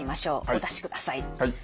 お出しください。